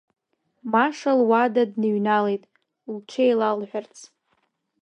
Маша луада дныҩналеит лҽеилалҳәарц.